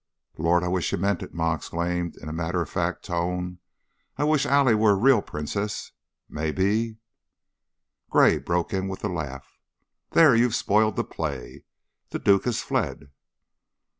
"Lord! I wish you meant it!" Ma exclaimed, in a matter of fact tone. "I wish Allie was a real princess. Mebbe " Gray broke in with a laugh. "There! You've spoiled the play. The duke has fled."